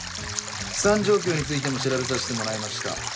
資産状況についても調べさせてもらいました。